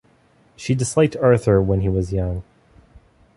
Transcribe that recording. She disliked Arthur when he was young.